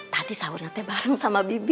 tadi sawurnya teh bareng sama bibi